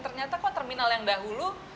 ternyata kok terminal yang dahulu